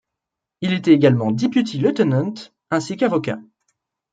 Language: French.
Il était également Deputy Lieutenant ainsi qu'avocat.